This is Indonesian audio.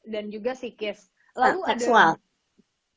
dan juga psikis lalu ada